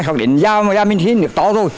họ đi ra miền thiên nước to rồi